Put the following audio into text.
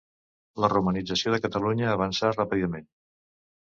La romanització de Catalunya avançà ràpidament.